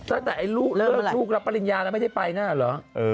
ตั้งแต่ลูกรับปริญญาแล้วไม่ได้ไปน่ะเหรอ